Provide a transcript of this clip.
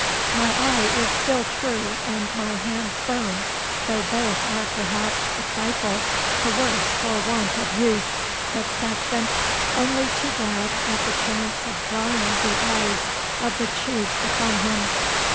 'My eye is still true and my hand firm, though both are perhaps a trifle the worse for want of use,' said Saxon, only too glad at the chance of drawing the eyes of the chiefs upon him.